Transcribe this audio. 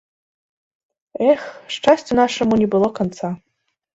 Эх, шчасцю нашаму не было канца.